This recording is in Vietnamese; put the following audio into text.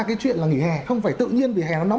cái chuyện là nghỉ hè không phải tự nhiên vì hè nó nóng